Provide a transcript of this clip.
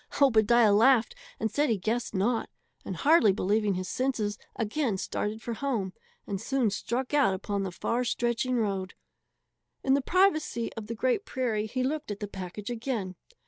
Obadiah laughed and said he guessed not, and hardly believing his senses, again started for home, and soon struck out upon the far stretching road. In the privacy of the great prairie he looked at the package again.